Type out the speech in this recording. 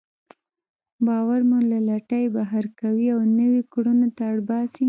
باور مو له لټۍ بهر کوي او نويو کړنو ته اړ باسي.